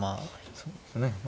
そうですね。